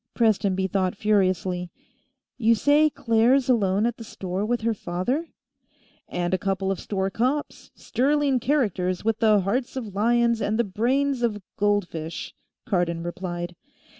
Prestonby thought furiously. "You say Claire's alone at the store with her father?" "And a couple of store cops, sterling characters with the hearts of lions and the brains of goldfish," Cardon replied.